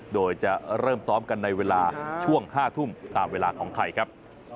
โดยจะเริ่มซ้อมกันในเวลาช่วง๕ทุ่มตามเวลาของไทยครับ